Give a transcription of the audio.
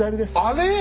あれ？